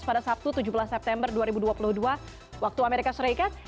pada sabtu tujuh belas september dua ribu dua puluh dua waktu amerika serikat